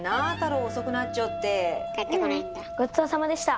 ううんごちそうさまでした！